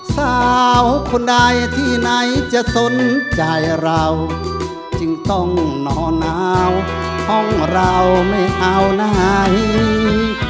สาวคนใดที่ไหนจะสนใจเราจึงต้องนอนหนาวห้องเราไม่เอาไหน